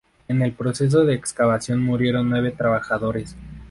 En el proceso de excavación, murieron nueve trabajadores.